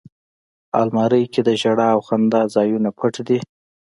الماري کې د ژړا او خندا ځایونه پټ دي